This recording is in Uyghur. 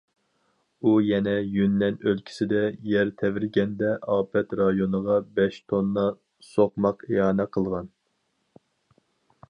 ئۇ يەنە يۈننەن ئۆلكىسىدە يەر تەۋرىگەندە ئاپەت رايونىغا بەش توننا سوقماق ئىئانە قىلغان.